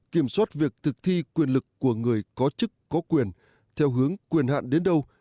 kiểm soát việc thực thi quyền lực của người có chức có quyền theo hướng quyền hạn đến đâu